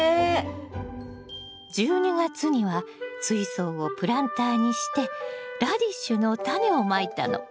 １２月には水槽をプランターにしてラディッシュのタネをまいたの。